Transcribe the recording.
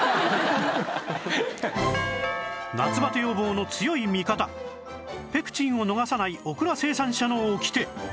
夏バテ予防の強い味方ペクチンを逃さないオクラ生産者のオキテ